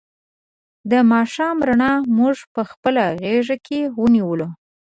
د ماښام رڼا مونږ په خپله غېږ کې ونیولو.